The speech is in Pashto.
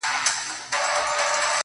زه يم دا مه وايه چي تا وړي څوك.